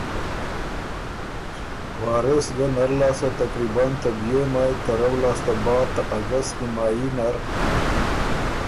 وارث ګه نر لاسته تقریباً ته دیو مای ترؤ لاسته بعد ته اګست نیمايي نر